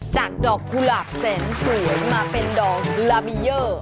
จากดอกกุหลาบแสนสวยมาเป็นดอกลาบิเยอร์